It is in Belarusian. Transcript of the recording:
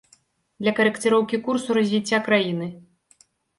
Для карэкціроўкі курсу развіцця краіны?